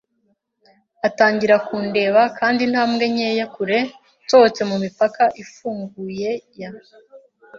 atangira kundeba, kandi intambwe nkeya kure nsohotse mumipaka ifunguye ya